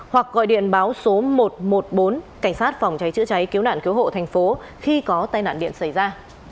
hoặc gọi điện báo số một trăm một mươi bốn cảnh sát phòng cháy chữa cháy cứu nạn cứu hộ thành phố khi có tai nạn điện xảy ra